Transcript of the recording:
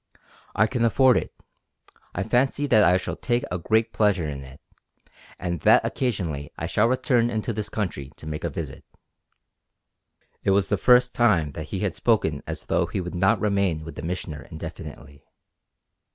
"I can afford it. I fancy that I shall take a great pleasure in it, and that occasionally I shall return into this country to make a visit." It was the first time that he had spoken as though he would not remain with the Missioner indefinitely.